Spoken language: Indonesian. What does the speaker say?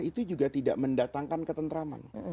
itu juga tidak mendatangkan ketentraman